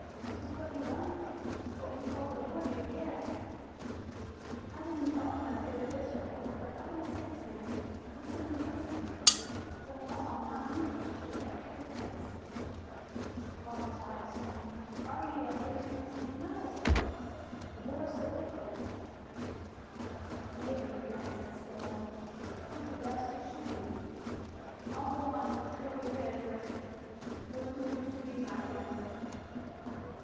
"'Tis what ye wanted, what ye told the boy you'd git." "I didn't tell him I'd get it this way. For heaven's sake, man, listen to reason! The law, and not me, should take care of this." Barr's eyes flamed. "Are ye a policeman?" "No!" "The boy said different." "Mebbe," Grant said slowly, "'twould be best to shoot him. I'll go on Trilley Ridge with with who used to be my kin."